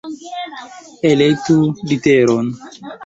Elektu literon!